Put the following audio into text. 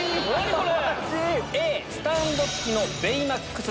これ。